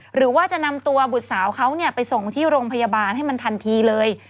หรือว่าจะนำตัวบุตรสาวเขาไปส่งที่โรงพยาบาลให้มันทันทีเลย